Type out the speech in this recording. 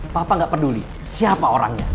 papa nggak peduli siapa orangnya